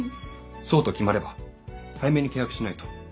そうと決まれば早めに契約しないと。